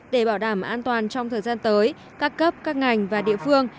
để bảo đảm an toàn trong thời gian tới các cấp các ngành và địa phương